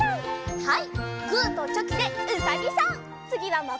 はい！